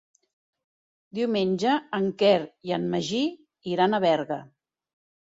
Diumenge en Quer i en Magí iran a Berga.